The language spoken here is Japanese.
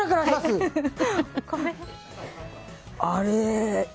あれ。